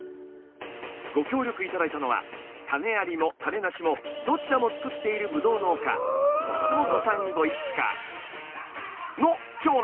ご協力頂いたのは種ありも種なしもどちらも作っているブドウ農家松本さんご一家の長男。